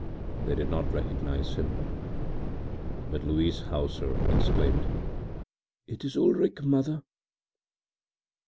They did not recognize him, but Louise Hauser exclaimed: “It is Ulrich, mother.